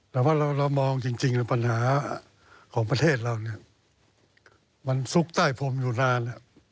แต่ว่าเรามองจริงปัญหาของประเทศเราเนี่ยมันซุกใต้พรมอยู่นาน